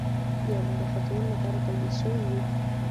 یعنې د خرڅولو لپاره تولید شوی وي.